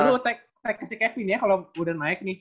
lo tag ke si kevin ya kalau udah naik nih